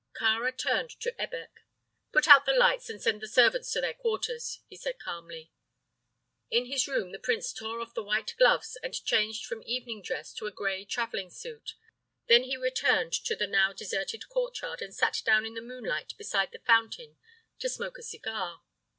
Kāra turned to Ebbek. "Put out the lights and send the servants to their quarters," he said, calmly. In his room the prince tore off the white gloves and changed from evening dress to a gray traveling suit. Then he returned to the now deserted courtyard and sat down in the moonlight beside the fountain to smoke a cigar.